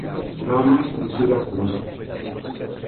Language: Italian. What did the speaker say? Damas di Siracusa